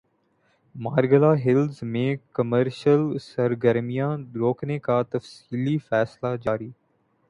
Margalla hills میں commercial سرگرمیاں روکنے کا تفصیلی فیصلہ جاری